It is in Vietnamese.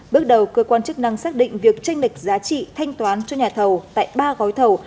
bước đầu cơ quan chức năng xác định việc tranh lịch giá trị thanh toán cho nhà thầu tại ba gói thầu